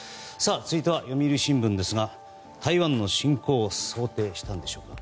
続いては読売新聞ですが台湾の侵攻を想定したんでしょうか。